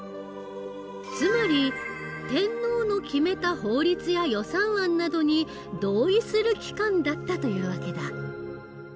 つまり天皇の決めた法律や予算案などに同意する機関だったという訳だ。